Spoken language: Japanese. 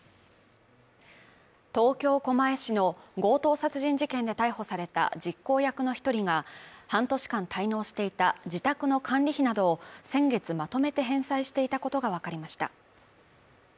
東京・狛江市の強盗殺人事件で逮捕された実行役の１人が半年間滞納していた自宅の管理費などを先月まとめて返済していたことがわかりました。